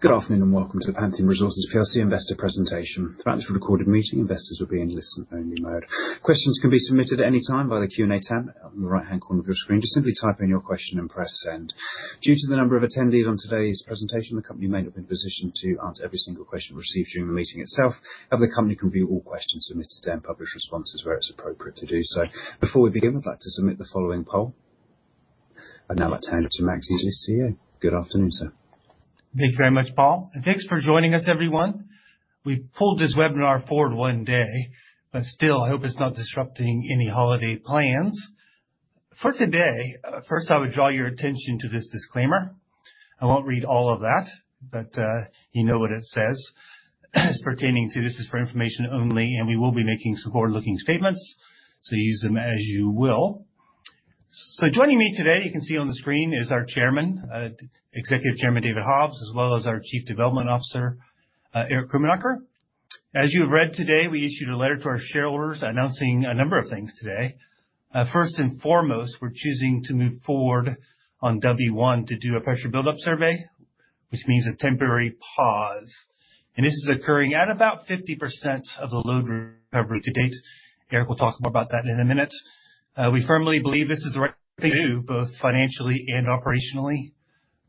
Good afternoon, and welcome to the Pantheon Resources plc Investor Presentation. About this recorded meeting, investors will be in listen-only mode. Questions can be submitted at any time by the Q&A tab on the right-hand corner of your screen. Just simply type in your question and press Send. Due to the number of attendees on today's presentation, the company may not be positioned to answer every single question received during the meeting itself. However, the company can view all questions submitted today and publish responses where it's appropriate to do so. Before we begin, we'd like to submit the following poll. I'd now like to hand over to Max, CEO. Good afternoon, sir. Thank you very much, Paul, and thanks for joining us, everyone. We pulled this webinar forward one day, but still, I hope it's not disrupting any holiday plans. For today, first, I would draw your attention to this disclaimer. I won't read all of that, but, you know what it says. It's pertaining to this is for information only, and we will be making some forward-looking statements, so use them as you will. Joining me today, you can see on the screen, is our chairman, Executive Chairman David Hobbs, as well as our Chief Development Officer, Erich Krumanocker. As you have read today, we issued a letter to our shareholders announcing a number of things today. First and foremost, we're choosing to move forward on W-1 to do a pressure buildup survey, which means a temporary pause. This is occurring at about 50% of the load recovery to date. Erich will talk about that in a minute. We firmly believe this is the right thing to do, both financially and operationally.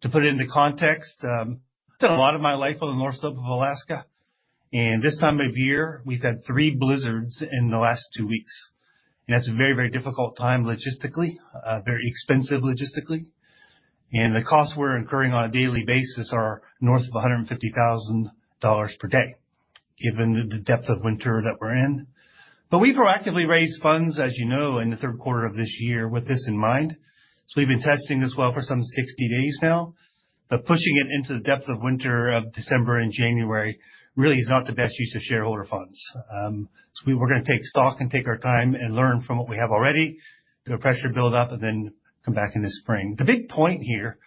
To put it into context, I've done a lot of my life on the North Slope of Alaska, and this time of year, we've had 3 blizzards in the last 2 weeks. That's a very, very difficult time logistically, very expensive logistically. The costs we're incurring on a daily basis are north of $150,000 per day, given the depth of winter that we're in. We proactively raised funds, as you know, in the Q3 of this year with this in mind. We've been testing this well for some 60 days now. Pushing it into the depth of winter of December and January really is not the best use of shareholder funds. We're gonna take stock and take our time and learn from what we have already, do a pressure buildup, and then come back in the spring. The big point here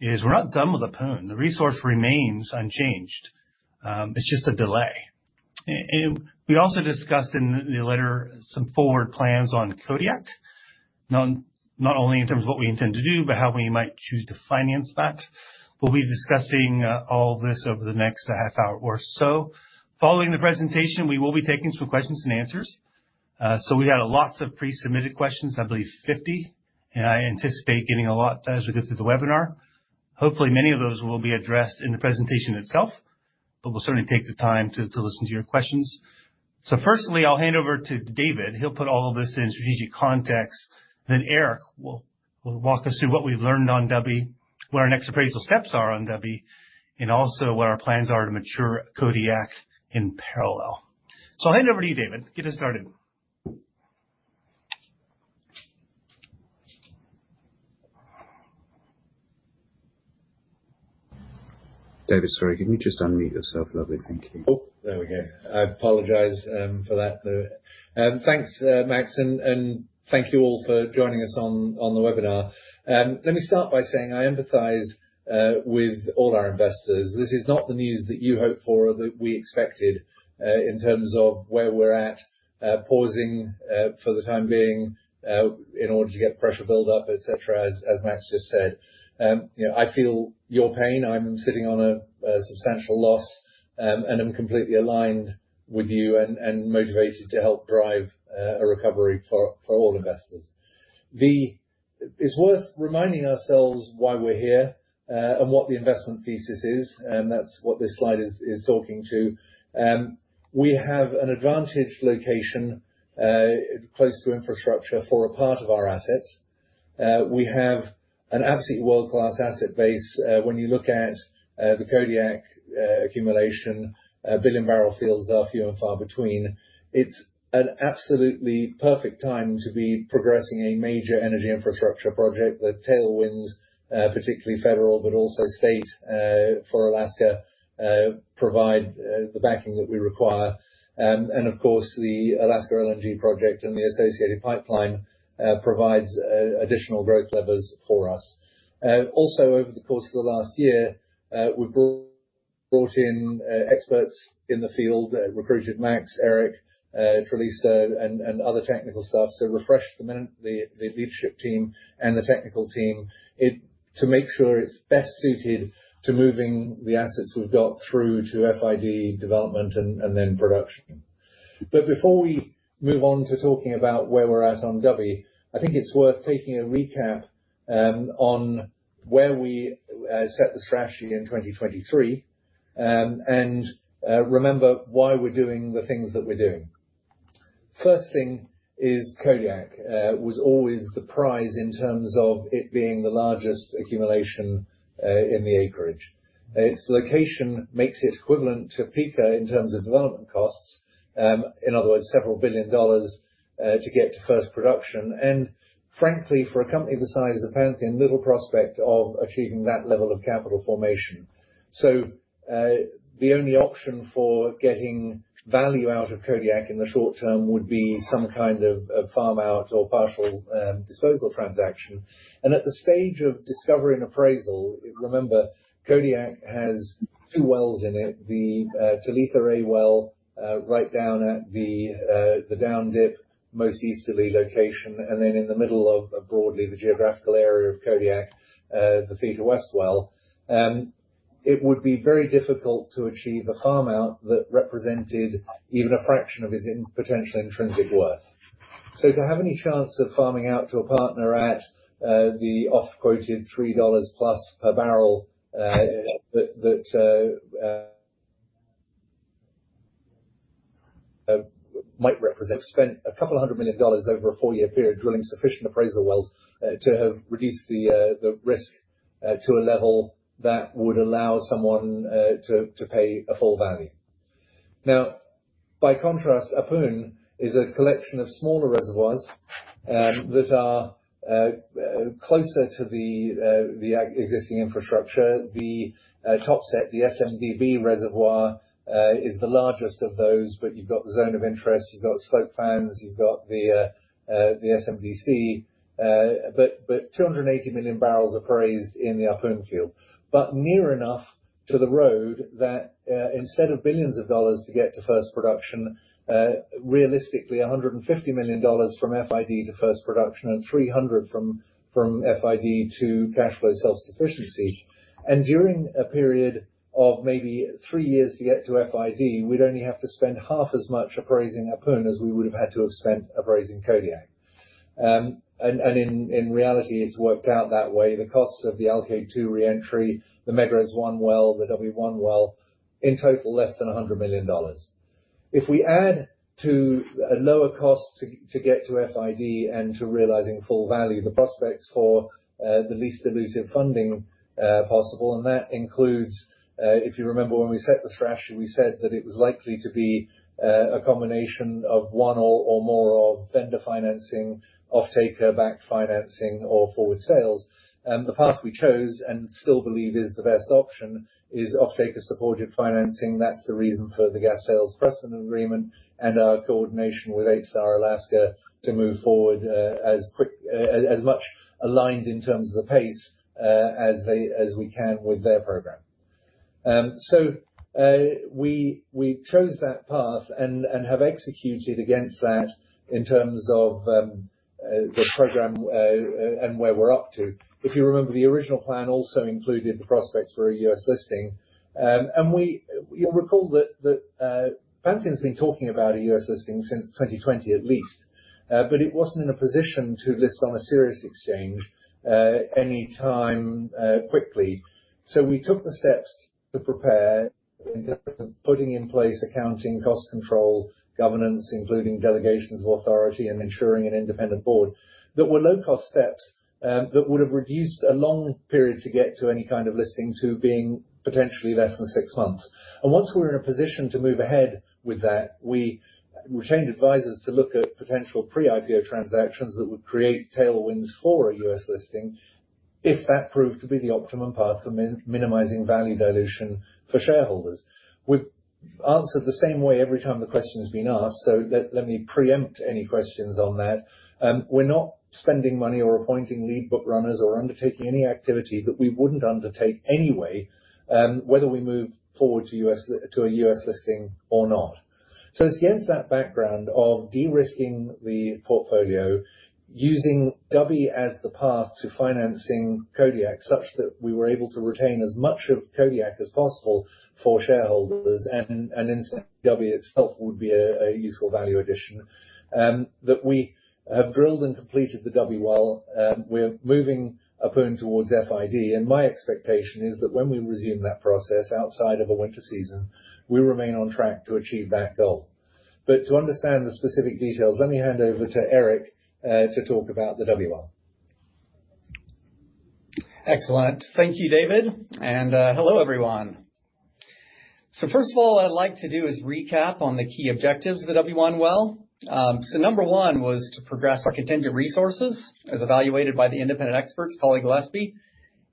is we're not done with the Ahpun. The resource remains unchanged. It's just a delay. We also discussed in the letter some forward plans on Kodiak, not only in terms of what we intend to do, but how we might choose to finance that. We'll be discussing all this over the next half hour or so. Following the presentation, we will be taking some questions and answers. We had lots of pre-submitted questions, I believe 50, and I anticipate getting a lot as we go through the webinar. Hopefully, many of those will be addressed in the presentation itself, but we'll certainly take the time to listen to your questions. Firstly, I'll hand over to David. He'll put all of this in strategic context. Then Erich will walk us through what we've learned on W, what our next appraisal steps are on W, and also what our plans are to mature Kodiak in parallel. I'll hand over to you, David. Get us started. David, sorry, can you just unmute yourself? Lovely. Thank you. Oh, there we go. I apologize for that. Thanks, Max, and thank you all for joining us on the webinar. Let me start by saying I empathize with all our investors. This is not the news that you hoped for or that we expected in terms of where we're at, pausing for the time being in order to get pressure buildup, et cetera, as Max just said. You know, I feel your pain. I'm sitting on a substantial loss, and I'm completely aligned with you and motivated to help drive a recovery for all investors. It's worth reminding ourselves why we're here and what the investment thesis is, and that's what this slide is talking to. We have an advantaged location close to infrastructure for a part of our assets. We have an absolutely world-class asset base. When you look at the Kodiak accumulation, billion-barrel fields are few and far between. It's an absolutely perfect time to be progressing a major energy infrastructure project. The tailwinds, particularly federal, but also state, for Alaska, provide the backing that we require. Of course, the Alaska LNG project and the associated pipeline provides additional growth levers for us. Also over the course of the last year, we brought in experts in the field. Recruited Max, Erich, Tulisa and other technical staff to refresh the leadership team and the technical team to make sure it's best suited to moving the assets we've got through to FID development and then production. Before we move on to talking about where we're at on W, I think it's worth taking a recap on where we set the strategy in 2023 and remember why we're doing the things that we're doing. First thing is Kodiak was always the prize in terms of it being the largest accumulation in the acreage. Its location makes it equivalent to Pikka in terms of development costs, in other words, several billion dollars to get to first production. Frankly, for a company the size of Pantheon, little prospect of achieving that level of capital formation. The only option for getting value out of Kodiak in the short term would be some kind of farm out or partial disposal transaction. At the stage of discovery and appraisal, remember, Kodiak has two wells in it. The Talitha-A well, right down at the down dip, most easterly location, and then in the middle of broadly the geographical area of Kodiak, the Theta West well. It would be very difficult to achieve a farm-out that represented even a fraction of its potential intrinsic worth. To have any chance of farming out to a partner at the off-quoted $3+ per barrel, that might represent. Spent a couple of hundred million dollars over a 4-year period drilling sufficient appraisal wells to have reduced the risk to a level that would allow someone to pay a full value. Now, by contrast, Ahpun is a collection of smaller reservoirs that are closer to the existing infrastructure. The top set, the SMD-B reservoir, is the largest of those. You've got the Zone of Interest, you've got Slope Fans, you've got the SMD-C, but 280 million barrels appraised in the Ahpun field. Near enough to the road that, instead of billions of dollars to get to first production, realistically $150 million from FID to first production, and $300 million from FID to cash flow self-sufficiency. During a period of maybe 3 years to get to FID, we'd only have to spend half as much appraising Ahpun as we would have had to have spent appraising Kodiak. In reality it's worked out that way. The costs of the Alkaid-2 re-entry, the Megrez-1 well, the W-1 well, in total less than $100 million. If we add to a lower cost to get to FID and to realizing full value, the prospects for the least dilutive funding possible, and that includes, if you remember when we set the strategy, we said that it was likely to be a combination of one or more of vendor financing, offtaker-backed financing or forward sales. The path we chose and still believe is the best option is offtaker-supported financing. That's the reason for the gas sales precedent agreement and our coordination with HSR Alaska to move forward, as much aligned in terms of the pace as we can with their program. We chose that path and have executed against that in terms of the program and where we're up to. If you remember, the original plan also included the prospects for a U.S. listing. You'll recall that Pantheon's been talking about a U.S. listing since 2020 at least. It wasn't in a position to list on a serious exchange anytime quickly. We took the steps to prepare in terms of putting in place accounting, cost control, governance, including delegations of authority and ensuring an independent board that were low cost steps, that would have reduced a long period to get to any kind of listing, to being potentially less than six months. Once we were in a position to move ahead with that, we changed advisors to look at potential pre-IPO transactions that would create tailwinds for a U.S. listing if that proved to be the optimum path for minimizing value dilution for shareholders. We've answered the same way every time the question's been asked, so let me preempt any questions on that. We're not spending money or appointing lead bookrunners or undertaking any activity that we wouldn't undertake anyway, whether we move forward to a U.S. listing or not. It's against that background of de-risking the portfolio using W-1 as the path to financing Kodiak such that we were able to retain as much of Kodiak as possible for shareholders and instead W-1 itself would be a useful value addition that we have drilled and completed the W-1 well. We're moving upon towards FID. My expectation is that when we resume that process outside of a winter season, we remain on track to achieve that goal. To understand the specific details, let me hand over to Erich to talk about the W-1 well. Excellent. Thank you, David. Hello, everyone. First of all I'd like to do is recap on the key objectives of the W-1 well. Number one was to progress our contingent resources as evaluated by the independent experts, Cawley Gillespie.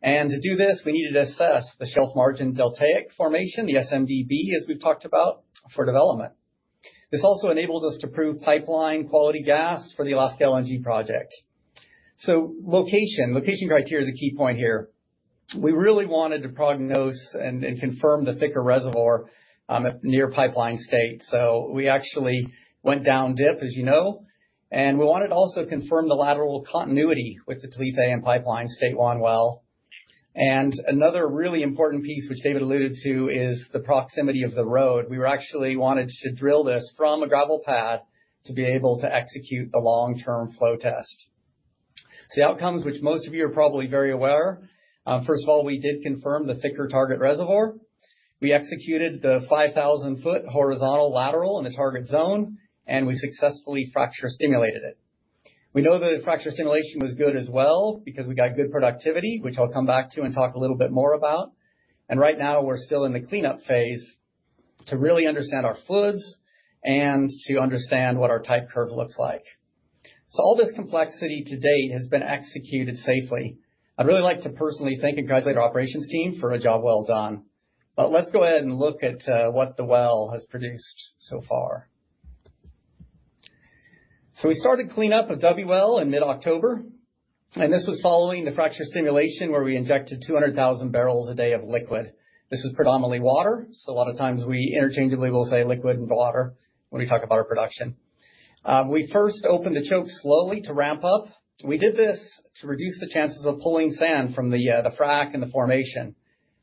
To do this, we needed to assess the Shelf Margin Deltaic formation, the SMD-B, as we've talked about, for development. This also enables us to prove pipeline quality gas for the Alaska LNG project. Location criteria is the key point here. We really wanted to prognose and confirm the thicker reservoir at near Pipeline State-1. We actually went down dip, as you know, and we wanted to also confirm the lateral continuity with the Talitha and Pipeline State-1 well. Another really important piece, which David alluded to is the proximity of the road. We actually wanted to drill this from a gravel pad to be able to execute a long-term flow test. The outcomes, which most of you are probably very aware of. First of all, we did confirm the thicker target reservoir. We executed the 5,000-foot horizontal lateral in the target zone, and we successfully fracture-stimulated it. We know the fracture stimulation was good as well because we got good productivity, which I'll come back to and talk a little bit more about. Right now we're still in the cleanup phase to really understand our fluids and to understand what our type curve looks like. All this complexity to date has been executed safely. I'd really like to personally thank and congratulate our operations team for a job well done. Let's go ahead and look at what the well has produced so far. We started cleanup of the W-1 well in mid-October. This was following the fracture stimulation where we injected 200,000 barrels a day of liquid. This was predominantly water, so a lot of times we interchangeably will say liquid and water when we talk about our production. We first opened the choke slowly to ramp up. We did this to reduce the chances of pulling sand from the frac and the formation.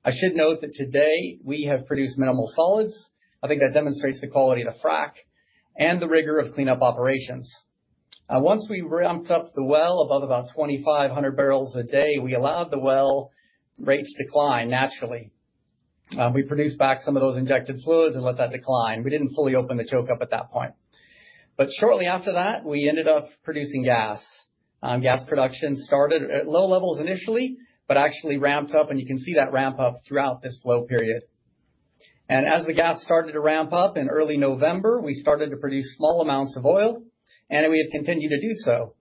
I should note that today we have produced minimal solids. I think that demonstrates the quality of the frac and the rigor of cleanup operations. Once we ramped up the well above about 2,500 barrels a day, we allowed the well rates decline naturally. We produced back some of those injected fluids and let that decline. We didn't fully open the choke up at that point. Shortly after that, we ended up producing gas. Gas production started at low levels initially, but actually ramped up, and you can see that ramp up throughout this flow period. As the gas started to ramp up in early November, we started to produce small amounts of oil, and we have continued to do so.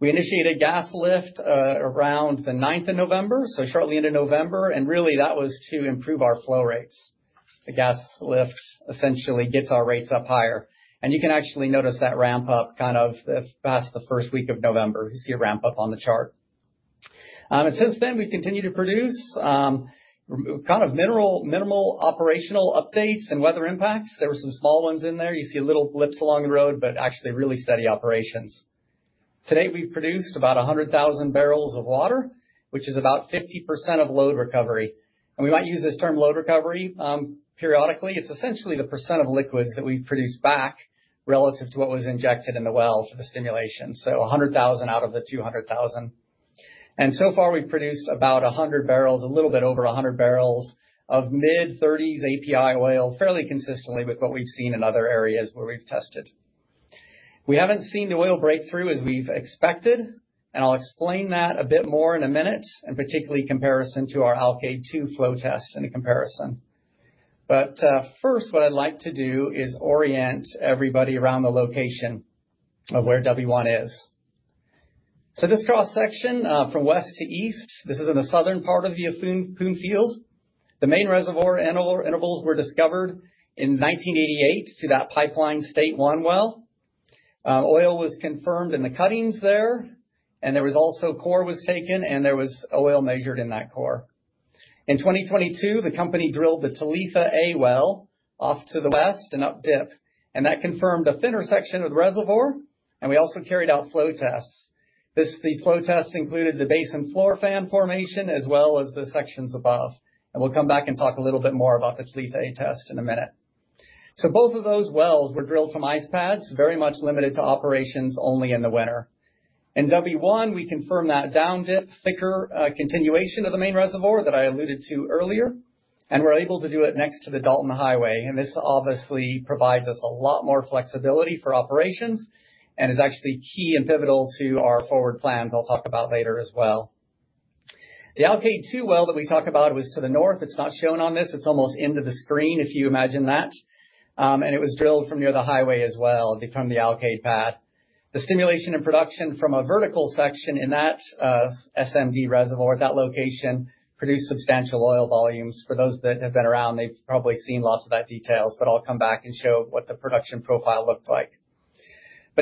We initiated gas lift around the ninth of November, so shortly into November, and really that was to improve our flow rates. The gas lift essentially gets our rates up higher. You can actually notice that ramp up past the first week of November. You see a ramp up on the chart. Since then, we've continued to produce with kind of minimal operational updates and weather impacts. There were some small ones in there. You see little blips along the road, but actually really steady operations. To date, we've produced about 100,000 barrels of water, which is about 50% of load recovery. We might use this term load recovery periodically. It's essentially the percent of liquids that we produce back relative to what was injected in the well for the stimulation. A hundred thousand out of the 200,000. So far, we've produced about 100 barrels, a little bit over 100 barrels of mid-30s API oil, fairly consistently with what we've seen in other areas where we've tested. We haven't seen the oil breakthrough as we've expected, and I'll explain that a bit more in a minute, and particularly comparison to our Alkaid-2 flow test in a comparison. First, what I'd like to do is orient everybody around the location of where W-1 is. So this cross section, from west to east, this is in the southern part of the Ahpun field. The main reservoir intervals were discovered in 1988 through that Pipeline State-1 well. Oil was confirmed in the cuttings there, and there was also core was taken, and there was oil measured in that core. In 2022, the company drilled the Talitha-A well off to the west and up dip, and that confirmed a thinner section of the reservoir, and we also carried out flow tests. These flow tests included the Basin Floor Fan formation, as well as the sections above. We'll come back and talk a little bit more about the Talitha-A test in a minute. Both of those wells were drilled from ice pads, very much limited to operations only in the winter. In W-1, we confirmed that down dip thicker continuation of the main reservoir that I alluded to earlier, and we're able to do it next to the Dalton Highway. This obviously provides us a lot more flexibility for operations and is actually key and pivotal to our forward plans I'll talk about later as well. The Alkaid-2 well that we talked about was to the north. It's not shown on this. It's almost end of the screen, if you imagine that. It was drilled from near the highway as well, from the Alkaid pad. The stimulation and production from a vertical section in that SMD reservoir at that location produced substantial oil volumes. For those that have been around, they've probably seen lots of that details, but I'll come back and show what the production profile looked like.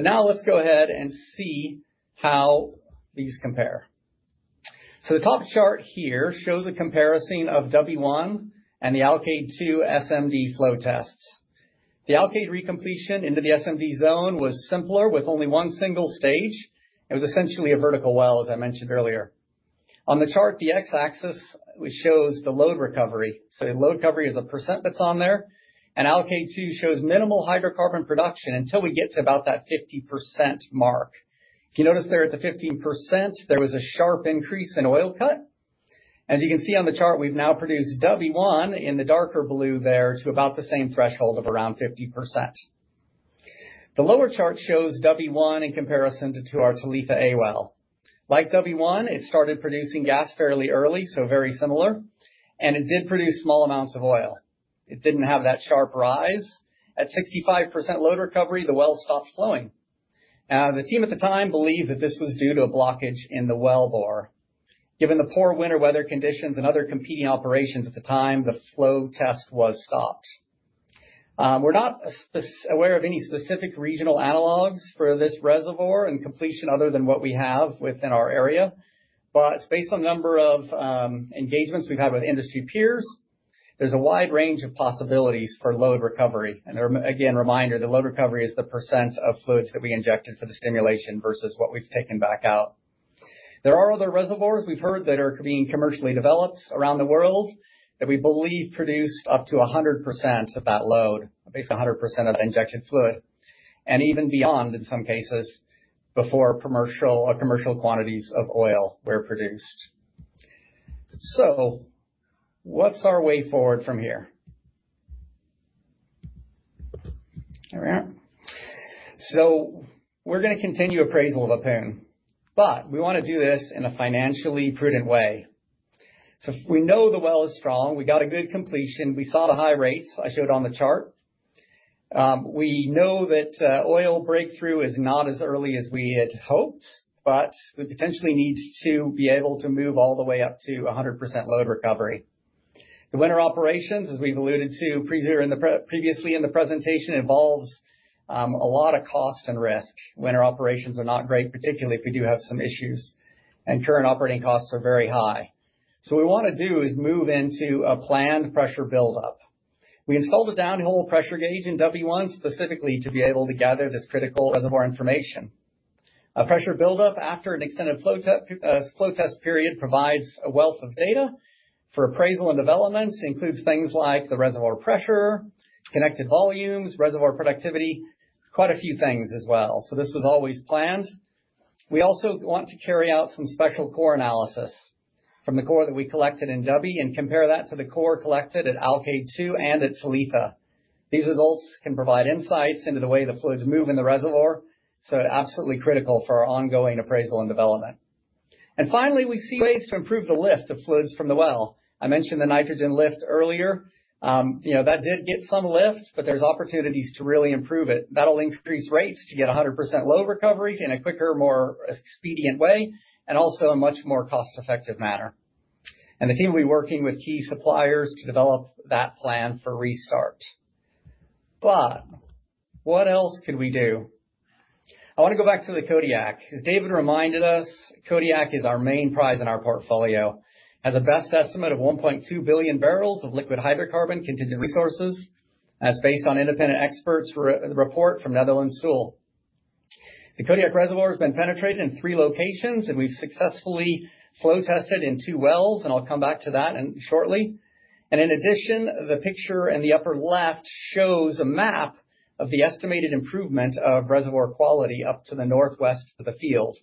Now let's go ahead and see how these compare. The top chart here shows a comparison of W-1 and the Alkaid-2 SMD flow tests. The Alkaid-2 recompletion into the SMD zone was simpler with only one single stage. It was essentially a vertical well, as I mentioned earlier. On the chart, the X-axis shows the load recovery. Load recovery is a percent that's on there. Alkaid-2 shows minimal hydrocarbon production until we get to about that 50% mark. If you notice there at the 15%, there was a sharp increase in oil cut. As you can see on the chart, we've now produced W-1 in the darker blue there to about the same threshold of around 50%. The lower chart shows W-1 in comparison to our Talitha-A well. Like W-1, it started producing gas fairly early, so very similar, and it did produce small amounts of oil. It didn't have that sharp rise. At 65% load recovery, the well stopped flowing. The team at the time believed that this was due to a blockage in the wellbore. Given the poor winter weather conditions and other competing operations at the time, the flow test was stopped. We're not specifically aware of any specific regional analogs for this reservoir and completion other than what we have within our area. Based on number of engagements we've had with industry peers, there's a wide range of possibilities for Load Recovery. Again, reminder that Load Recovery is the percent of fluids that we injected for the stimulation versus what we've taken back out. There are other reservoirs we've heard that are being commercially developed around the world that we believe produced up to 100% of that load, at least 100% of the injected fluid, and even beyond in some cases before commercial quantities of oil were produced. What's our way forward from here? There we are. We're gonna continue appraisal of Ahpun, but we wanna do this in a financially prudent way. We know the well is strong. We got a good completion. We saw the high rates I showed on the chart. We know that oil breakthrough is not as early as we had hoped, but we potentially need to be able to move all the way up to 100% load recovery. The winter operations, as we've alluded to previously in the presentation, involves a lot of cost and risk. Winter operations are not great, particularly if we do have some issues, and current operating costs are very high. What we want to do is move into a planned pressure buildup. We installed a downhole pressure gauge in W-1 specifically to be able to gather this critical reservoir information. A pressure buildup after an extended flow test period provides a wealth of data for appraisal and development, includes things like the reservoir pressure, connected volumes, reservoir productivity, quite a few things as well. This was always planned. We also want to carry out some special core analysis from the core that we collected in Dubhe-1 and compare that to the core collected at Alkaid-2 and at Talitha. These results can provide insights into the way the fluids move in the reservoir, so absolutely critical for our ongoing appraisal and development. Finally, we see ways to improve the lift of fluids from the well. I mentioned the nitrogen lift earlier. You know, that did get some lift, but there's opportunities to really improve it. That'll increase rates to get 100% load recovery in a quicker, more expedient way, and also a much more cost-effective manner. The team will be working with key suppliers to develop that plan for restart. What else could we do? I wanna go back to the Kodiak. As David reminded us, Kodiak is our main prize in our portfolio. It has a best estimate of 1.2 billion barrels of liquid hydrocarbon contingent resources as based on independent expert report from Netherland, Sewell. The Kodiak reservoir has been penetrated in three locations, and we've successfully flow-tested in two wells, and I'll come back to that in shortly. In addition, the picture in the upper left shows a map of the estimated improvement of reservoir quality up to the northwest of the field.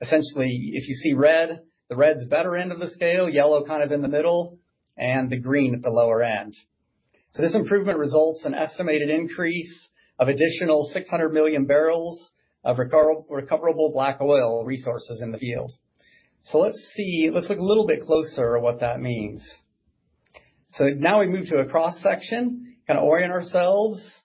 Essentially, if you see red, the red's better end of the scale, yellow kind of in the middle, and the green at the lower end. This improvement results in an estimated increase of additional 600 million barrels of recoverable black oil resources in the field. Let's see. Let's look a little bit closer at what that means. Now we move to a cross-section, kinda orient ourselves.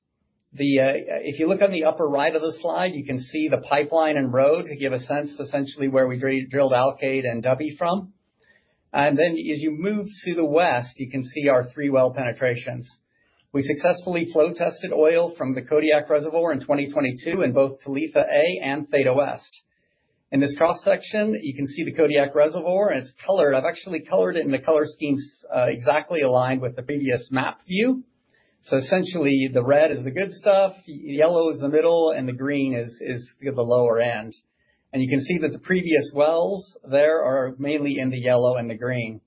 The, if you look on the upper right of the slide, you can see the pipeline and road to give a sense essentially where we drilled Alkaid and Dubhe from. Then as you move to the west, you can see our three well penetrations. We successfully flow tested oil from the Kodiak Reservoir in 2022 in both Talitha-A and Theta West. In this cross-section, you can see the Kodiak Reservoir, and it's colored. I've actually colored it in the color schemes, exactly aligned with the previous map view. Essentially, the red is the good stuff, yellow is the middle, and the green is the lower end. You can see that the previous wells there are mainly in the yellow and the green.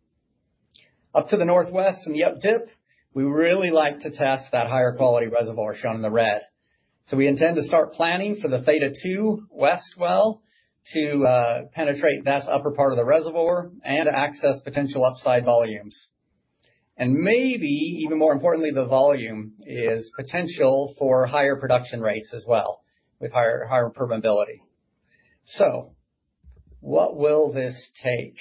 Up to the northwest in the up dip, we really like to test that higher quality reservoir shown in the red. We intend to start planning for the Theta West-2 well to penetrate that upper part of the reservoir and access potential upside volumes. Maybe, even more importantly, the volume is potential for higher production rates as well with higher permeability. What will this take?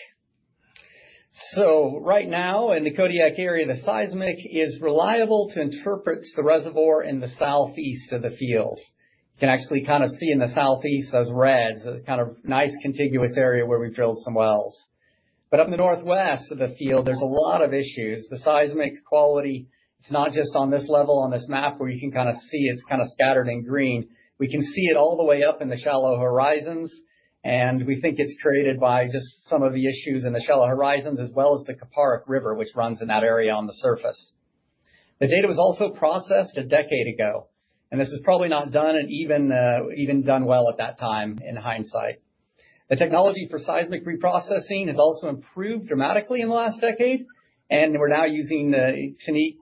Right now, in the Kodiak area, the seismic is reliable to interpret the reservoir in the southeast of the field. You can actually kind of see in the southeast, those reds, those kind of nice contiguous area where we drilled some wells. Up in the northwest of the field, there's a lot of issues. The seismic quality, it's not just on this level, on this map, where you can kind of see it's kind of scattered in green. We can see it all the way up in the shallow horizons, and we think it's created by just some of the issues in the shallow horizons as well as the Kuparuk River, which runs in that area on the surface. The data was also processed a decade ago, and this is probably not done and even done well at that time in hindsight. The technology for seismic reprocessing has also improved dramatically in the last decade, and we're now using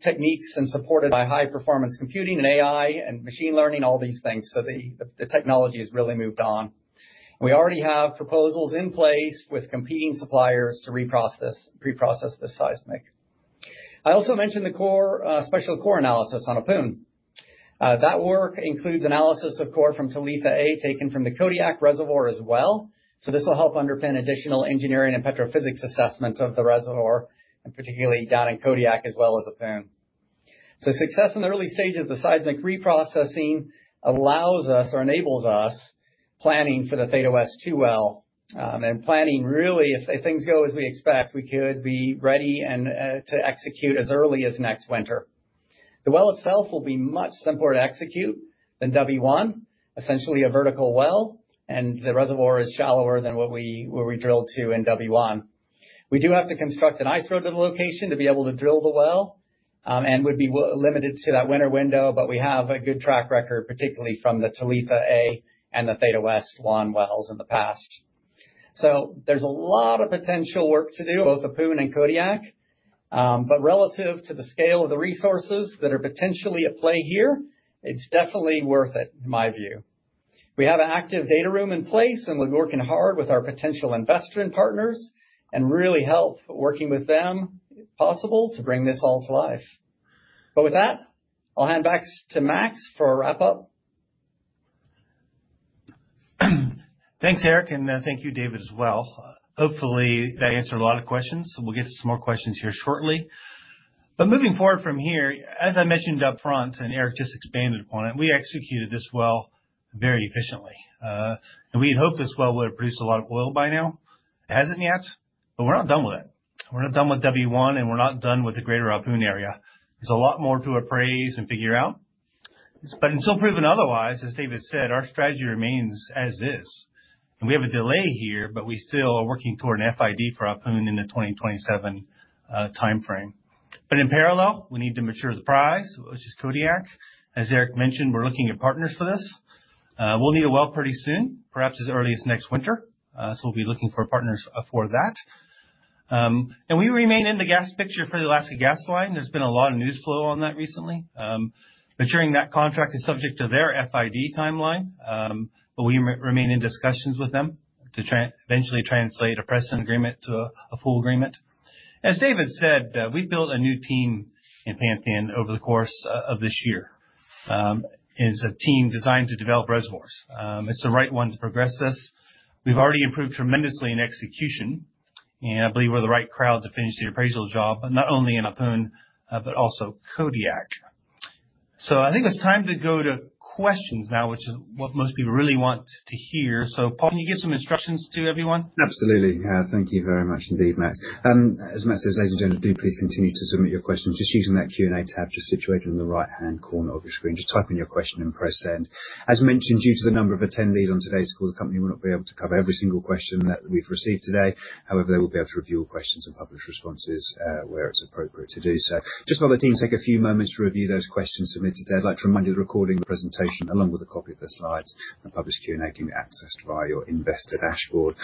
techniques and supported by high performance computing and AI and machine learning, all these things. The technology has really moved on. We already have proposals in place with competing suppliers to reprocess, preprocess the seismic. I also mentioned the core special core analysis on Ahpun. That work includes analysis of core from Talitha-A taken from the Kodiak Reservoir as well. This will help underpin additional engineering and petrophysics assessments of the reservoir, and particularly down in Kodiak as well as Ahpun. Success in the early stages of the seismic reprocessing allows us or enables us planning for the Theta West-2 well. Planning, really, if things go as we expect, we could be ready and to execute as early as next winter. The well itself will be much simpler to execute than W-1, essentially a vertical well, and the reservoir is shallower than where we drilled to in W-1. We do have to construct an ice road to the location to be able to drill the well, and would be limited to that winter window, but we have a good track record, particularly from the Talitha-A and the Theta West-1 wells in the past. There's a lot of potential work to do, both Ahpun and Kodiak. But relative to the scale of the resources that are potentially at play here, it's definitely worth it in my view. We have an active data room in place, and we're working hard with our potential investment partners and really hoping to work with them to bring this all to life. With that, I'll hand back to Max for a wrap-up. Thanks, Erich, and, thank you, David, as well. Hopefully, that answered a lot of questions. We'll get to some more questions here shortly. Moving forward from here, as I mentioned up front, and Erich just expanded upon it, we executed this well very efficiently. And we had hoped this well would have produced a lot of oil by now. It hasn't yet, but we're not done with it. We're not done with W-1, and we're not done with the greater Ahpun area. There's a lot more to appraise and figure out. Until proven otherwise, as David said, our strategy remains as is. We have a delay here, but we still are working toward an FID for Ahpun in the 2027 timeframe. In parallel, we need to mature the prize, which is Kodiak. As Erich mentioned, we're looking at partners for this. We'll need a well pretty soon, perhaps as early as next winter. We'll be looking for partners for that. We remain in the gas picture for the Alaska gas line. There's been a lot of news flow on that recently. Maturing that contract is subject to their FID timeline, but we remain in discussions with them to eventually translate a present agreement to a full agreement. As David said, we've built a new team in Pantheon over the course of this year. It's a team designed to develop reservoirs. It's the right one to progress us. We've already improved tremendously in execution, and I believe we're the right crowd to finish the appraisal job, not only in Ahpun, but also Kodiak. I think it's time to go to questions now, which is what most people really want to hear. Paul, can you give some instructions to everyone? Absolutely. Thank you very much indeed, Max. As Max says, ladies and gentlemen, do please continue to submit your questions just using that Q&A tab just situated in the right-hand corner of your screen. Just type in your question and press Send. As mentioned, due to the number of attendees on today's call, the company will not be able to cover every single question that we've received today. However, they will be able to review all questions and publish responses, where it's appropriate to do so. Just while the team take a few moments to review those questions submitted, I'd like to remind you the recording of the presentation, along with a copy of the slides and published Q&A, can be accessed via your investor dashboard.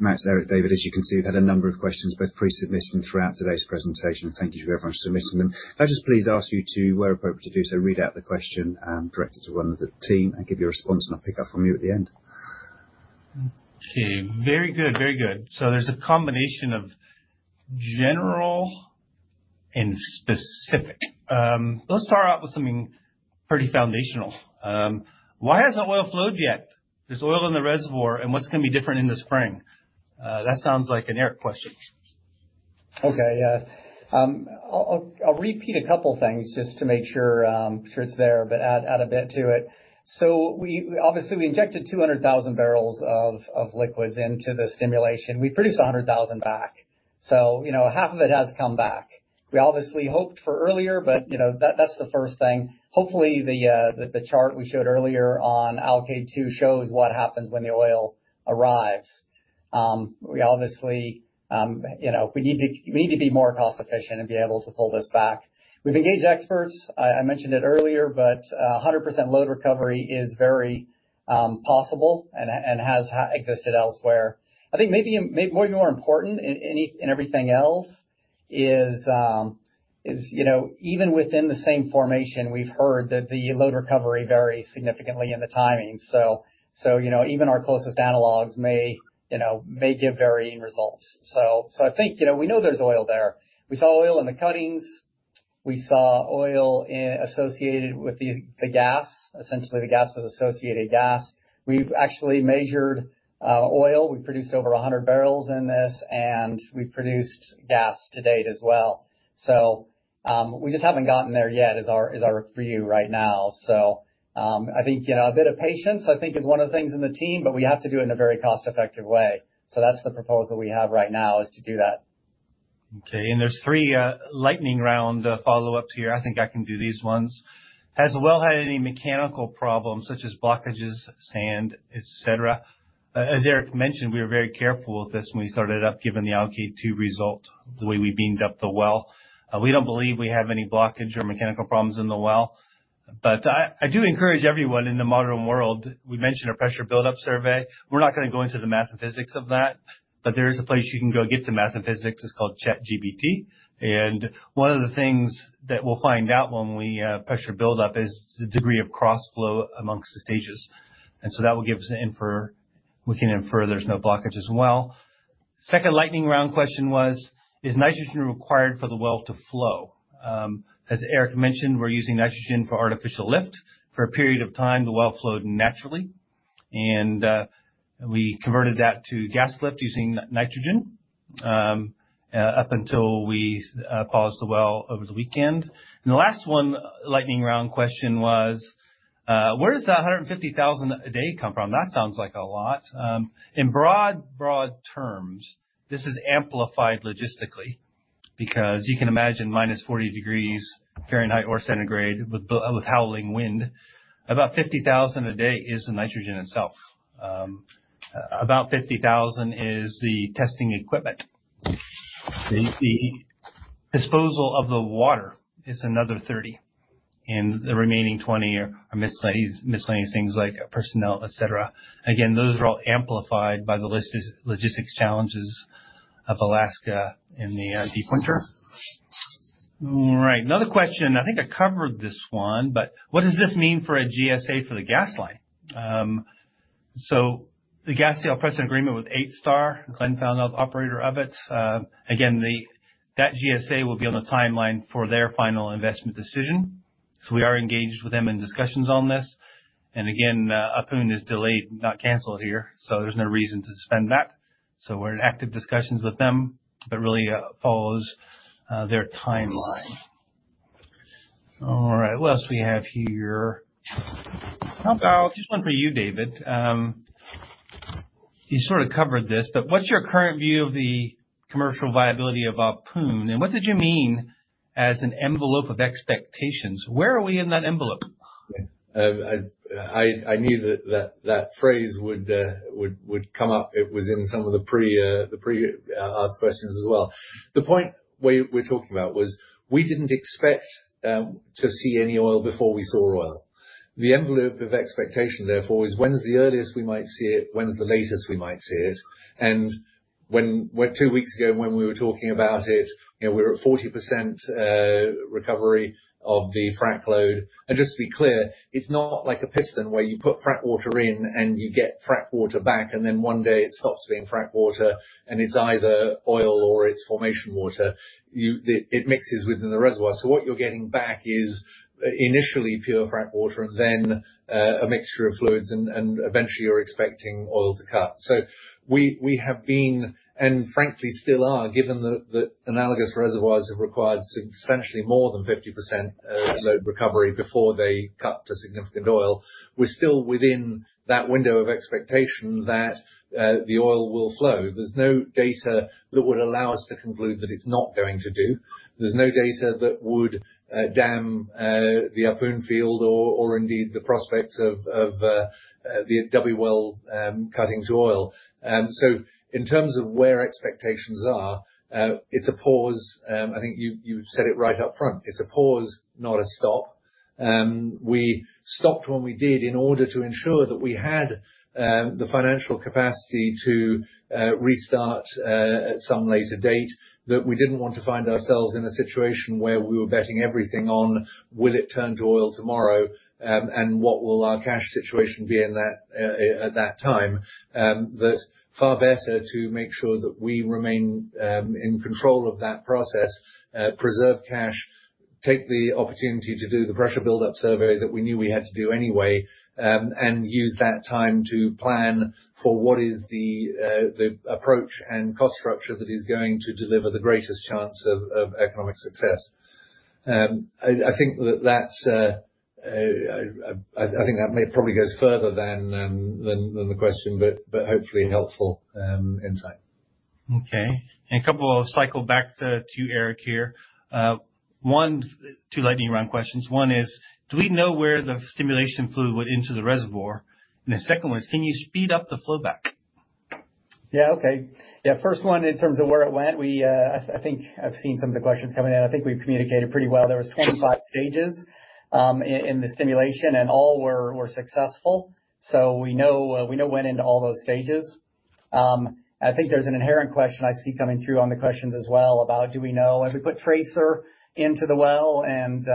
Max, Erich, David, as you can see, we've had a number of questions both pre-submission throughout today's presentation. Thank you very much for submitting them. Can I just please ask you to, where appropriate to do so, read out the question, directed to one of the team and give your response, and I'll pick up from you at the end? Okay. Very good, very good. There's a combination of general and specific. Let's start out with something pretty foundational. Why hasn't oil flowed yet? There's oil in the reservoir, and what's gonna be different in the spring? That sounds like an Erich question. Okay, yeah. I'll repeat a couple things just to make sure it's there, but add a bit to it. We obviously injected 200,000 barrels of liquids into the stimulation. We produced 100,000 back. You know, half of it has come back. We obviously hoped for earlier, but you know, that's the first thing. Hopefully, the chart we showed earlier on Alkaid-2 shows what happens when the oil arrives. We obviously, you know, we need to be more cost-efficient and be able to pull this back. We've engaged experts. I mentioned it earlier, but 100% load recovery is very possible and has existed elsewhere. I think maybe more important than anything else is, you know, even within the same formation, we've heard that the Load Recovery varies significantly in the timing. So, you know, even our closest analogs may give varying results. So I think, you know, we know there's oil there. We saw oil in the cuttings. We saw oil associated with the gas. Essentially, the gas was associated gas. We've actually measured oil. We produced over 100 barrels in this, and we produced gas to date as well. So, we just haven't gotten there yet, is our view right now. So, I think, you know, a bit of patience, I think is one of the things in the team, but we have to do it in a very cost-effective way. That's the proposal we have right now, is to do that. Okay. There's three lightning round follow-ups here. I think I can do these ones. Has the well had any mechanical problems such as blockages, sand, et cetera? As Erich mentioned, we are very careful with this when we started up, given the Alkaid-2 result, the way we ramped up the well. We don't believe we have any blockage or mechanical problems in the well. But I do encourage everyone in the modern world. We mentioned a pressure buildup survey. We're not gonna go into the math and physics of that, but there is a place you can go get the math and physics. It's called ChatGPT. One of the things that we'll find out when we pressure buildup is the degree of crossflow among the stages. We can infer there's no blockage as well. Second lightning round question was, is nitrogen required for the well to flow? As Erich mentioned, we're using nitrogen for artificial lift. For a period of time, the well flowed naturally, and we converted that to gas lift using nitrogen, up until we paused the well over the weekend. The last one lightning round question was, where does that $150,000 a day come from? That sounds like a lot. In broad terms, this is amplified logistically because you can imagine -40 degrees Fahrenheit or centigrade with howling wind. About $50,000 a day is the nitrogen itself. About $50,000 is the testing equipment. The disposal of the water is another 30, and the remaining 20 are miscellaneous things like personnel, et cetera. Again, those are all amplified by the logistics challenges of Alaska in the deep winter. All right, another question. I think I covered this one, but what does this mean for a GSA for the gas line? The gas sales agreement with 8 Star, Glenfarne, operator of it. Again, that GSA will be on the timeline for their final investment decision. We are engaged with them in discussions on this. Again, Ahpun is delayed, not canceled here, so there's no reason to suspend that. We're in active discussions with them that really follows their timeline. All right, what else we have here? How about just one for you, David. You sort of covered this, but what's your current view of the commercial viability of Ahpun? What did you mean as an envelope of expectations? Where are we in that envelope? I knew that phrase would come up. It was in some of the pre-asked questions as well. The point we're talking about was we didn't expect to see any oil before we saw oil. The envelope of expectation, therefore, is when's the earliest we might see it? When's the latest we might see it? Two weeks ago, when we were talking about it, you know, we were at 40% recovery of the frac load. Just to be clear, it's not like a piston where you put frac water in and you get frac water back, and then one day it stops being frac water and it's either oil or it's formation water. It mixes within the reservoir. What you're getting back is initially pure frac water and then a mixture of fluids, and eventually you're expecting oil to cut. We have been and frankly still are, given the analogous reservoirs have required substantially more than 50% load recovery before they cut to significant oil. We're still within that window of expectation that the oil will flow. There's no data that would allow us to conclude that it's not going to do. There's no data that would damn the Ahpun field or indeed the prospects of the W well cutting to oil. In terms of where expectations are, it's a pause. I think you said it right up front. It's a pause, not a stop. We stopped when we did in order to ensure that we had the financial capacity to restart at some later date. That we didn't want to find ourselves in a situation where we were betting everything on will it turn to oil tomorrow, and what will our cash situation be in that at that time. It's far better to make sure that we remain in control of that process, preserve cash, take the opportunity to do the pressure buildup survey that we knew we had to do anyway, and use that time to plan for what is the approach and cost structure that is going to deliver the greatest chance of economic success. I think that may probably goes further than the question, but hopefully helpful insight. Okay. Circle back to Erich here. One, two lightning round questions. One is, do we know where the stimulation fluid went into the reservoir? The second one is can you speed up the flow back? Yeah. Okay. Yeah, first one, in terms of where it went, I think I've seen some of the questions coming in. I think we've communicated pretty well. There was 25 stages in the stimulation, and all were successful. We know it went into all those stages. I think there's an inherent question I see coming through on the questions as well about do we know as we put tracer into the well and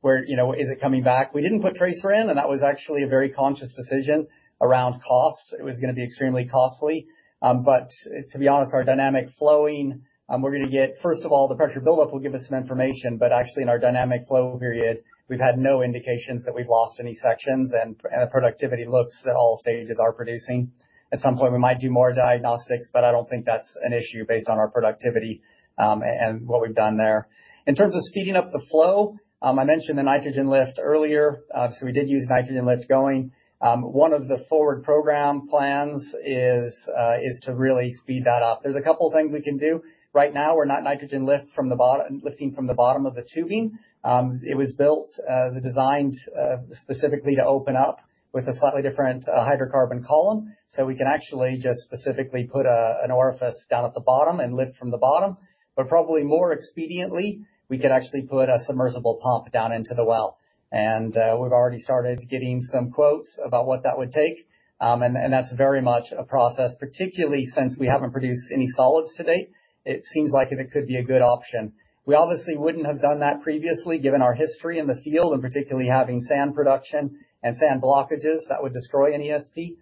where, you know, is it coming back? We didn't put tracer in, and that was actually a very conscious decision around cost. It was gonna be extremely costly. To be honest, our dynamic flowing, we're gonna get First of all, the pressure buildup will give us some information, but actually, in our dynamic flow period, we've had no indications that we've lost any sections, and the productivity looks that all stages are producing. At some point, we might do more diagnostics, but I don't think that's an issue based on our productivity, and what we've done there. In terms of speeding up the flow, I mentioned the nitrogen lift earlier. We did use nitrogen lift going. One of the forward program plans is to really speed that up. There's a couple things we can do. Right now, we're lifting from the bottom of the tubing. It was built, designed, specifically to open up with a slightly different hydrocarbon column. We can actually just specifically put an orifice down at the bottom and lift from the bottom. Probably more expediently, we could actually put a submersible pump down into the well. We've already started getting some quotes about what that would take. That's very much a process, particularly since we haven't produced any solids to date. It seems like it could be a good option. We obviously wouldn't have done that previously, given our history in the field and particularly having sand production and sand blockages that would destroy any ESP.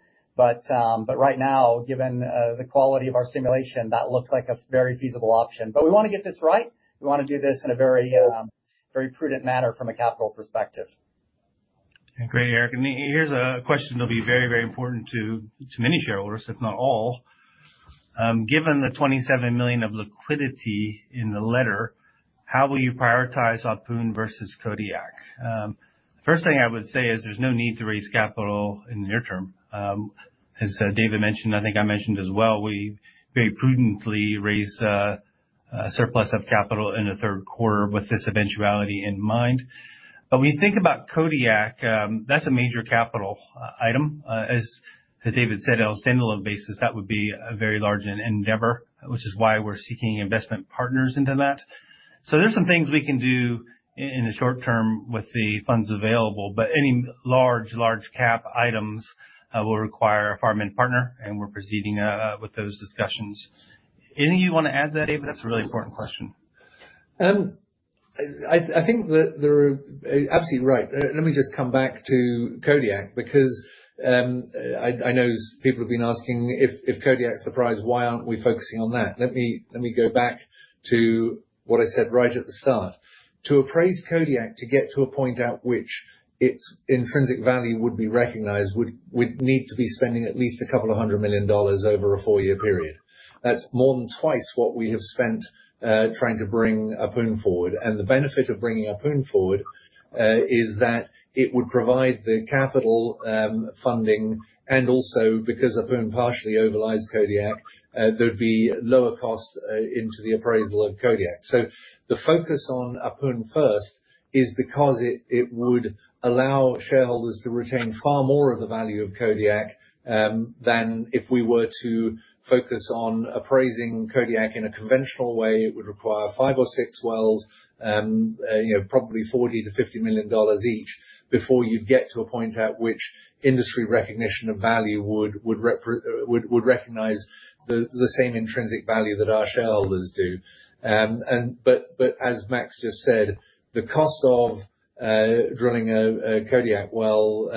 Right now, given the quality of our stimulation, that looks like a very feasible option. We wanna get this right. We wanna do this in a very prudent manner from a capital perspective. Okay, great, Erich. Here's a question that'll be very, very important to many shareholders, if not all. Given the 27 million of liquidity in the letter, how will you prioritize Appomattox versus Kodiak? First thing I would say is there's no need to raise capital in the near term. As David mentioned, I think I mentioned as well, we very prudently raised a surplus of capital in the Q3 with this eventuality in mind. When you think about Kodiak, that's a major capital item. As David said, on a standalone basis, that would be a very large endeavor, which is why we're seeking investment partners into that. There's some things we can do in the short term with the funds available, but any large CapEx items will require a farm-out partner, and we're proceeding with those discussions. Anything you wanna add to that, David? That's a really important question. I think that they're absolutely right. Let me just come back to Kodiak because I notice people have been asking if Kodiak's the prize, why aren't we focusing on that? Let me go back to what I said right at the start. To appraise Kodiak to get to a point at which its intrinsic value would be recognized, we'd need to be spending at least $200 million over a 4-year period. That's more than twice what we have spent trying to bring Ahpun forward. The benefit of bringing Ahpun forward is that it would provide the capital funding and also because of who partially overlies Kodiak, there'd be lower costs into the appraisal of Kodiak. The focus on Alkaid first is because it would allow shareholders to retain far more of the value of Kodiak than if we were to focus on appraising Kodiak in a conventional way. It would require five or six wells, you know, probably $40 million-$50 million each before you'd get to a point at which industry recognition of value would recognize the same intrinsic value that our shareholders do. But as Max just said, the cost of drilling a Kodiak well,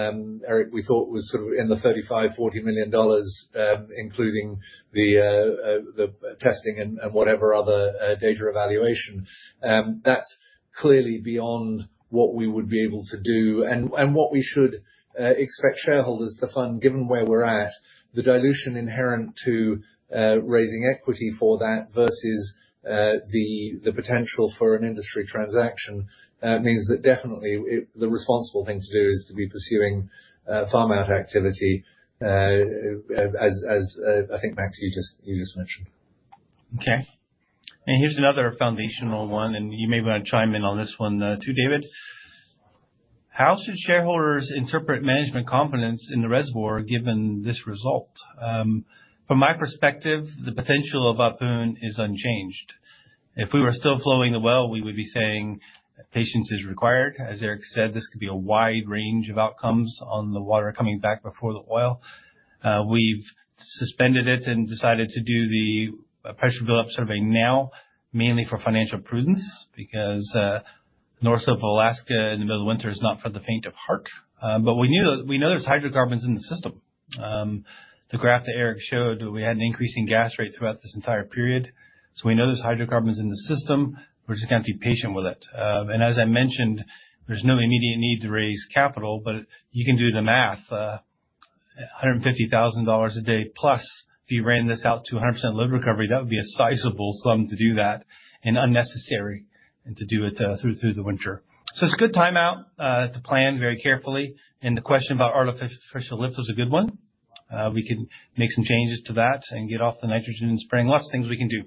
Erich, we thought was sort of in the $35 million-$40 million, including the testing and whatever other data evaluation. That's clearly beyond what we would be able to do and what we should expect shareholders to fund, given where we're at. The dilution inherent to raising equity for that versus the potential for an industry transaction means that definitely it the responsible thing to do is to be pursuing farm out activity as I think, Max, you just mentioned. Okay. Here's another foundational one, and you may wanna chime in on this one, too, David. How should shareholders interpret management confidence in the reservoir given this result? From my perspective, the potential of Ahpun is unchanged. If we were still flowing the well, we would be saying that patience is required. As Erich said, this could be a wide range of outcomes on the water coming back before the oil. We've suspended it and decided to do the pressure build-up survey now, mainly for financial prudence, because north of Alaska in the middle of winter is not for the faint of heart. But we knew that. We know there's hydrocarbons in the system. The graph that Erich showed, we had an increasing gas rate throughout this entire period. We know there's hydrocarbons in the system. We just gotta be patient with it. As I mentioned, there's no immediate need to raise capital, but you can do the math. $150,000 a day plus if you ran this out to 100% load recovery, that would be a sizable sum to do that and unnecessary and to do it through the winter. It's a good time to plan very carefully. The question about artificial lift was a good one. We can make some changes to that and get off the nitrogen lift and ESP. Lots of things we can do.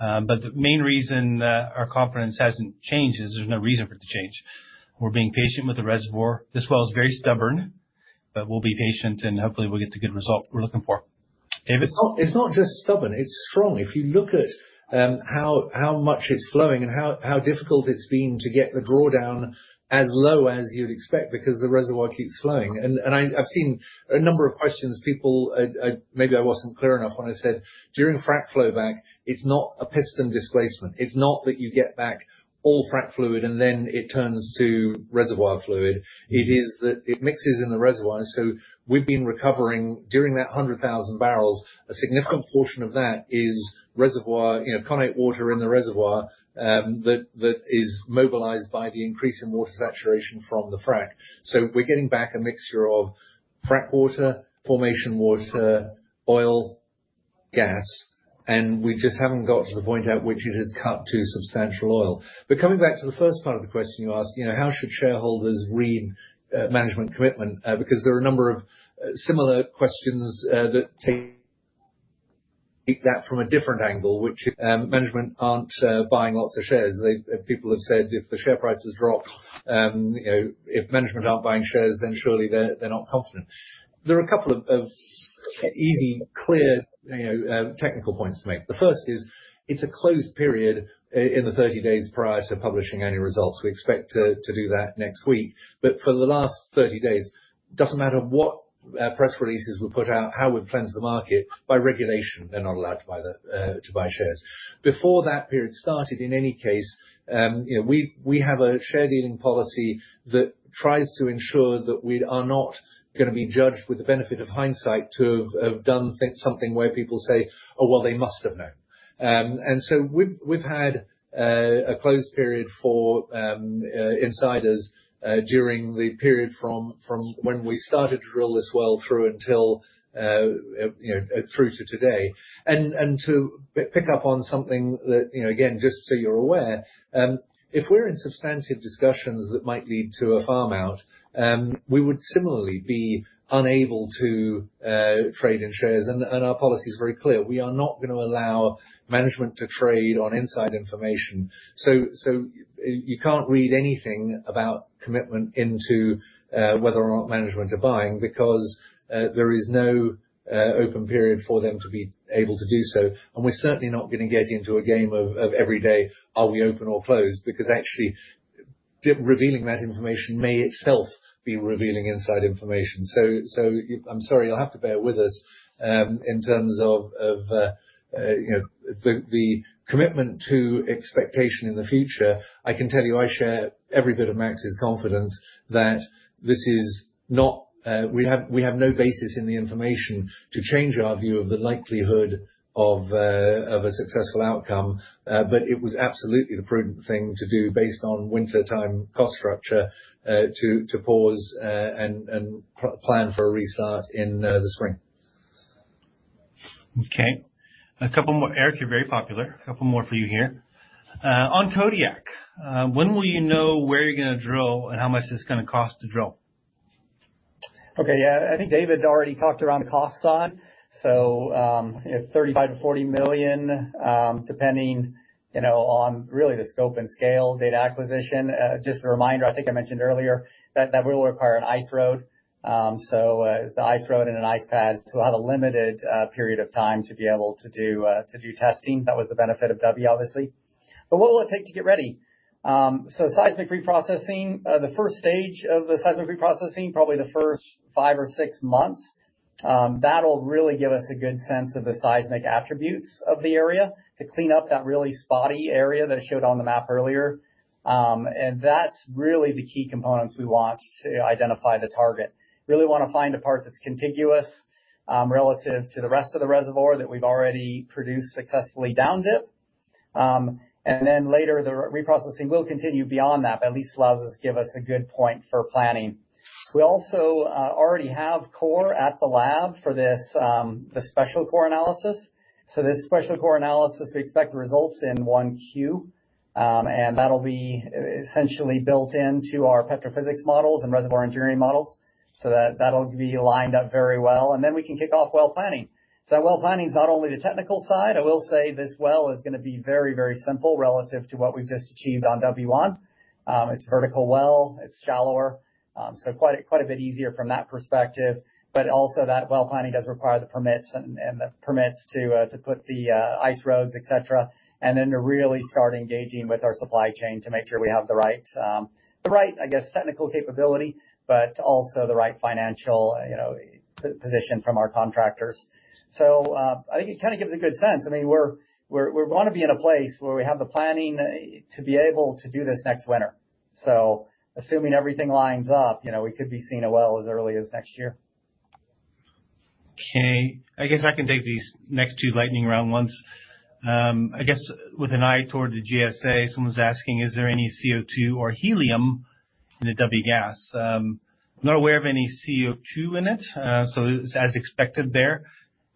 The main reason our confidence hasn't changed is there's no reason for it to change. We're being patient with the reservoir. This well is very stubborn, but we'll be patient, and hopefully we'll get the good result we're looking for. David? It's not just stubborn, it's strong. If you look at how much it's flowing and how difficult it's been to get the drawdown as low as you'd expect because the reservoir keeps flowing. I've seen a number of questions. People maybe I wasn't clear enough when I said, during frac flowback, it's not a piston displacement. It's not that you get back all frac fluid and then it turns to reservoir fluid. It is that it mixes in the reservoir. We've been recovering during that 100,000 barrels, a significant portion of that is reservoir, you know, connate water in the reservoir that is mobilized by the increase in water saturation from the frac. We're getting back a mixture of frac water, formation water, oil, gas, and we just haven't got to the point at which it is cut to substantial oil. Coming back to the first part of the question you asked, you know, how should shareholders read management commitment? Because there are a number of similar questions that take that from a different angle, which management aren't buying lots of shares. People have said if the share prices drop, you know, if management aren't buying shares, then surely they're not confident. There are a couple of easy, clear, you know, technical points to make. The first is, it's a closed period in the 30 days prior to publishing any results. We expect to do that next week. For the last 30 days, doesn't matter what press releases were put out, how we've cleansed the market, by regulation, they're not allowed to buy shares. Before that period started, in any case, you know, we have a share dealing policy that tries to ensure that we are not gonna be judged with the benefit of hindsight to have done something where people say, "Oh, well, they must have known." We've had a closed period for insiders during the period from when we started to drill this well through until you know, through to today. To pick up on something that, you know, again, just so you're aware, if we're in substantive discussions that might lead to a farm out, we would similarly be unable to trade in shares. Our policy is very clear. We are not gonna allow management to trade on inside information. You can't read anything about commitment into whether or not management are buying because there is no open period for them to be able to do so. We're certainly not gonna get into a game of every day, are we open or closed? Because actually revealing that information may itself be revealing inside information. I'm sorry, you'll have to bear with us, in terms of, you know, the commitment to expectation in the future, I can tell you I share every bit of Max's confidence that this is not, we have no basis in the information to change our view of the likelihood of a successful outcome. It was absolutely the prudent thing to do based on wintertime cost structure, to pause, and plan for a restart in the spring. Okay. A couple more, Erich. You're very popular. A couple more for you here. On Kodiak, when will you know where you're gonna drill and how much it's gonna cost to drill? Okay. Yeah, I think David already talked around the costs on. You know, $35 million-$40 million, depending, you know, on really the scope and scale data acquisition. Just a reminder, I think I mentioned earlier that that will require an ice road. The ice road and an ice pad, so we'll have a limited period of time to be able to do testing. That was the benefit of W, obviously. What will it take to get ready? Seismic reprocessing, the first stage of the seismic reprocessing, probably the first five or six months, that'll really give us a good sense of the seismic attributes of the area to clean up that really spotty area that I showed on the map earlier. That's really the key components we want to identify the target. Really wanna find a part that's contiguous relative to the rest of the reservoir that we've already produced successfully down dip. Then later, the reprocessing will continue beyond that, but at least allows us to give us a good point for planning. We also already have core at the lab for this, the special core analysis. This special core analysis, we expect the results in 1Q. That'll be essentially built into our petrophysics models and reservoir engineering models. That will be lined up very well, and then we can kick off well planning. Well planning is not only the technical side. I will say this well is gonna be very, very simple relative to what we've just achieved on W-1. It's a vertical well, it's shallower. So quite a bit easier from that perspective, but also that well planning does require the permits and the permits to put the ice roads, et cetera, and then to really start engaging with our supply chain to make sure we have the right, the right, I guess, technical capability, but also the right financial, you know, position from our contractors. I think it kinda gives a good sense. I mean, we're gonna be in a place where we have the planning to be able to do this next winter. Assuming everything lines up, you know, we could be seeing a well as early as next year. Okay. I guess I can take these next two lightning round ones. I guess with an eye toward the GSA, someone's asking, "Is there any CO2 or helium in the W-1 gas?" I'm not aware of any CO2 in it. So as expected there.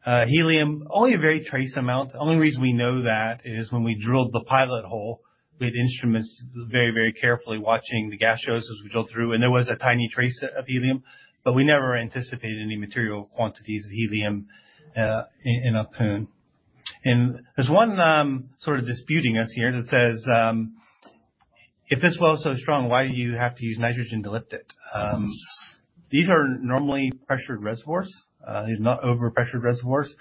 Helium, only a very trace amount. Only reason we know that is when we drilled the pilot hole, we had instruments very, very carefully watching the gas shows as we drilled through, and there was a tiny trace of helium, but we never anticipated any material quantities of helium in Ahpun. There's one sort of disputing us here that says, "If this well is so strong, why do you have to use nitrogen to lift it?" These are normally pressured reservoirs, not over-pressured reservoirs.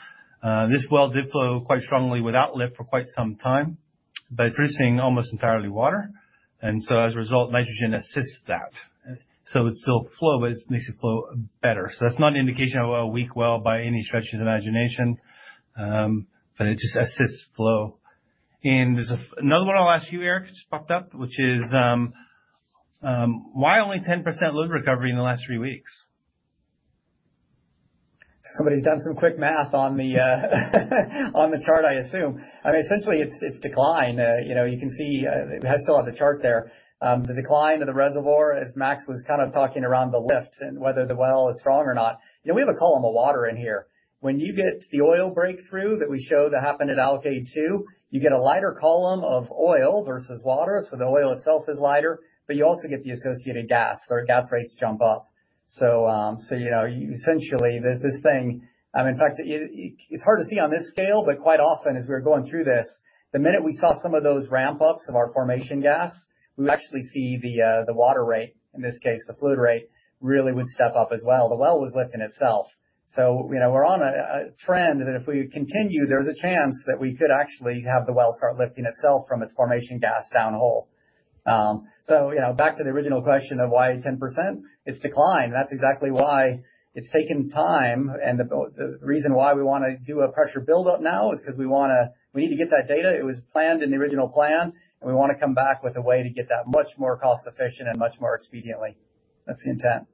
This well did flow quite strongly without lift for quite some time, but it's releasing almost entirely water. As a result, nitrogen assists that. It's still flow, but it makes it flow better. That's not an indication of a weak well by any stretch of the imagination, but it just assists flow. There's another one I'll ask you, Erich, just popped up, which is, "Why only 10% load recovery in the last three weeks? Somebody's done some quick math on the chart, I assume. I mean, essentially it's declined. You know, you can see, I still have the chart there. The decline of the reservoir, as Max was kind of talking around the lift and whether the well is strong or not. You know, we have a column of water in here. When you get the oil breakthrough that we show that happened at Alkaid-2, you get a lighter column of oil versus water, so the oil itself is lighter, but you also get the associated gas where gas rates jump up. You know, essentially, there's this thing. In fact, it's hard to see on this scale, but quite often as we're going through this, the minute we saw some of those ramp ups of our formation gas, we would actually see the water rate, in this case, the fluid rate, really would step up as well. The well was lifting itself. You know, we're on a trend that if we continue, there's a chance that we could actually have the well start lifting itself from its formation gas downhole. You know, back to the original question of why 10%, it's declined. That's exactly why it's taken time, and the reason why we wanna do a pressure build-up now is 'cause we need to get that data. It was planned in the original plan, and we wanna come back with a way to get that much more cost-efficient and much more expediently. That's the intent.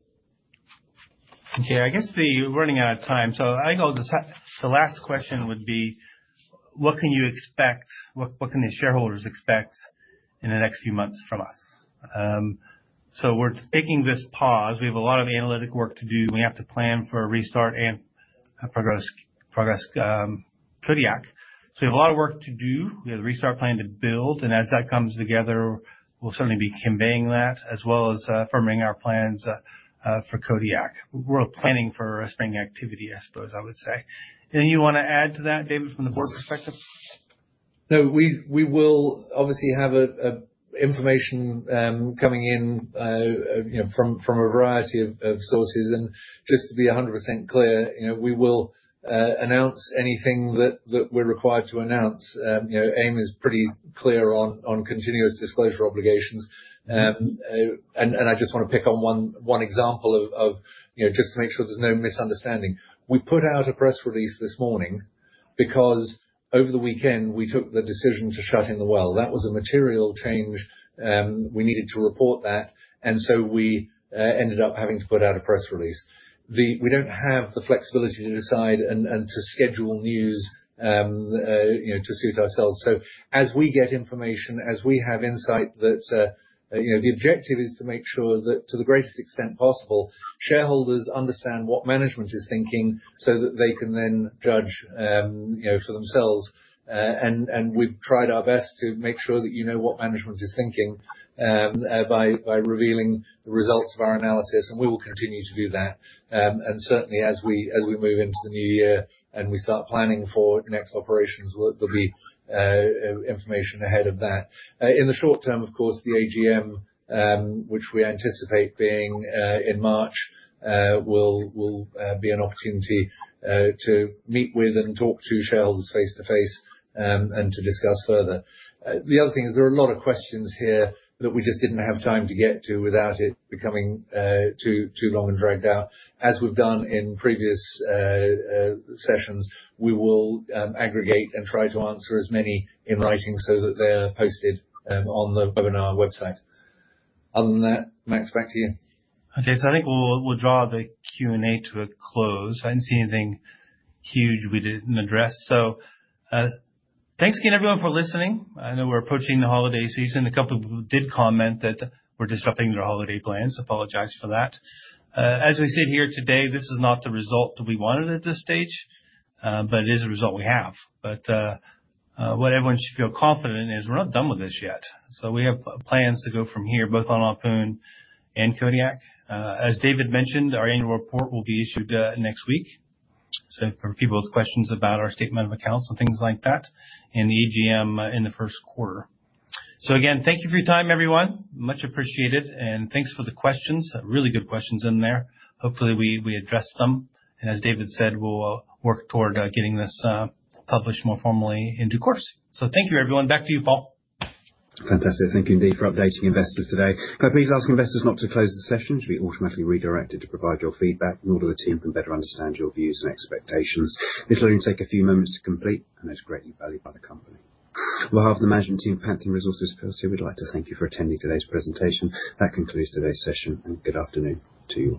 Okay, I guess we're running out of time. The last question would be what can the shareholders expect in the next few months from us? We're taking this pause. We have a lot of analytic work to do. We have to plan for a restart and progress Kodiak. We have a lot of work to do. We have the restart plan to build, and as that comes together, we'll certainly be conveying that, as well as firming our plans for Kodiak. We're planning for a spring activity, I suppose I would say. Anything you wanna add to that, David, from the board perspective? No, we will obviously have information coming in, you know, from a variety of sources. Just to be 100% clear, you know, we will announce anything that we're required to announce. You know, AIM is pretty clear on continuous disclosure obligations. I just wanna pick on one example of, you know, just to make sure there's no misunderstanding. We put out a press release this morning because over the weekend, we took the decision to shut in the well. That was a material change, we needed to report that, and so we ended up having to put out a press release. We don't have the flexibility to decide and to schedule news, you know, to suit ourselves. As we get information, as we have insight that, you know, the objective is to make sure that to the greatest extent possible, shareholders understand what management is thinking so that they can then judge, you know, for themselves. We've tried our best to make sure that you know what management is thinking by revealing the results of our analysis, and we will continue to do that. Certainly as we move into the new year and we start planning for next operations, there'll be information ahead of that. In the short term, of course, the AGM, which we anticipate being in March, will be an opportunity to meet with and talk to shareholders face-to-face, and to discuss further. The other thing is there are a lot of questions here that we just didn't have time to get to without it becoming too long and dragged out. As we've done in previous sessions, we will aggregate and try to answer as many in writing so that they are posted on the webinar website. Other than that, Max, back to you. Okay. I think we'll draw the Q&A to a close. I didn't see anything huge we didn't address. Thanks again everyone for listening. I know we're approaching the holiday season. A couple did comment that we're disrupting their holiday plans. I apologize for that. As we sit here today, this is not the result that we wanted at this stage, but it is the result we have. What everyone should feel confident in is we're not done with this yet. We have plans to go from here, both on Ahpun and Kodiak. As David mentioned, our annual report will be issued next week. For people with questions about our statement of accounts and things like that in the AGM in the Q1. Again, thank you for your time, everyone. Much appreciated, and thanks for the questions. Really good questions in there. Hopefully we addressed them. As David said, we'll work toward getting this published more formally in due course. Thank you, everyone. Back to you, Paul. Fantastic. Thank you indeed for updating investors today. Can I please ask investors not to close the session? You should be automatically redirected to provide your feedback in order that the team can better understand your views and expectations. This will only take a few moments to complete and it's greatly valued by the company. Well, half of the management team, Pantheon Resources personally, we'd like to thank you for attending today's presentation. That concludes today's session, and good afternoon to you.